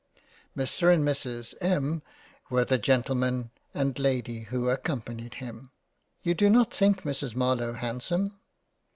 Mr and Mrs M. were the gentleman and Lady who accompanied him. (You do not think Mrs Marlowe handsome